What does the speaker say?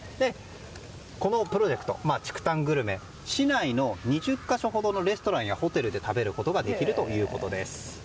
このプロジェクト、竹炭グルメ市内の２０か所以上のレストランやホテルで食べることができるということです。